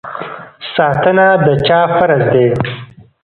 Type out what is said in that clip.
ساتنه د چا فرض دی؟